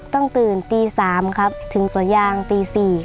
ต้องตื่นตี๓ครับถึงสวนยางตี๔